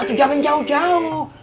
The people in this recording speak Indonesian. aduh jangan jauh jauh